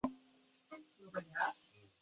特诺奇蒂特兰失守的原因有多种。